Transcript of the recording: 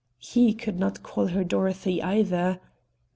(He could not call her Dorothy, either.)